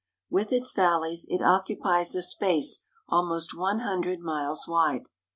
With its valleys, it occupies a space almost one hundred miles wide.